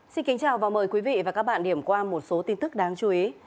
xin kính chào và mời quý vị và các bạn điểm qua một số tin tức đáng chú ý